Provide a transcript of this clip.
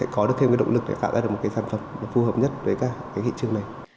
có được thêm cái động lực để tạo ra một cái sản phẩm phù hợp nhất với cái thị trường này